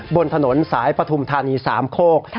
บนถนนสายปฐุมธานีสามโคก